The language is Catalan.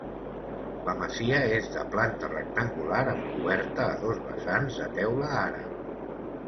La masia és de planta rectangular amb coberta a dos vessants de teula àrab.